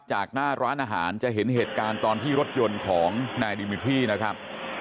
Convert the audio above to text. จากหน้าร้านอาหารจะเห็นเหตุการณ์ตอนที่รถยนต์ของนายดิมิทรี่นะครับ